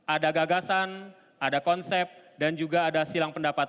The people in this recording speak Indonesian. ada gagasan ada konsep dan juga ada silang pendapat